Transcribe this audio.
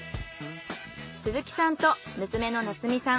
鈴木さんと娘の夏実さん